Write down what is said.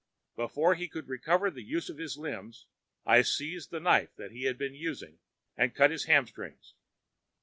Before he could recover the use of his limbs I seized the knife that he had been using and cut his hamstrings.